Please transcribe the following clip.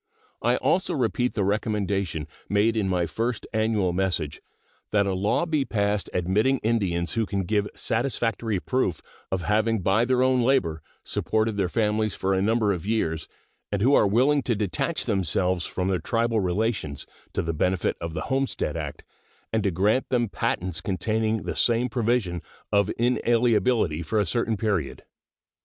I also repeat the recommendation made in my first annual message, that a law be passed admitting Indians who can give satisfactory proof of having by their own labor supported their families for a number of years, and who are willing to detach themselves from their tribal relations, to the benefit of the homestead act, and to grant them patents containing the same provision of inalienability for a certain period.